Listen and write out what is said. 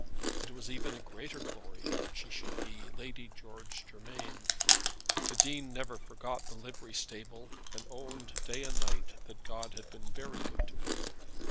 It was even a great glory that she should be Lady George Germain. The Dean never forgot the livery stable, and owned day and night that God had been very good to him.